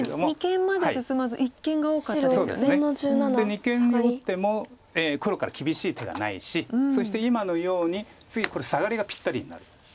二間に打っても黒から厳しい手がないしそして今のように次これサガリがぴったりになる。